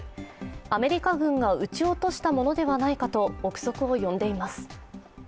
アメリカ軍が、撃ち落としたものではないかと、臆測を呼んでいます。